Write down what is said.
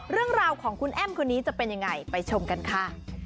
เรื่องราวของคุณแอ้มคนนี้จะเป็นยังไงไปชมกันค่ะ